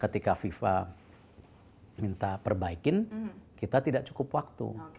ketika fifa minta perbaikin kita tidak cukup waktu